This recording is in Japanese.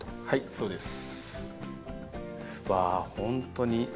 そうですね。